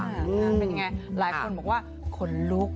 เป็นยังไงหลายคนบอกว่าขนลุก